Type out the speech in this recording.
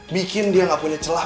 bikin dia gak punya celah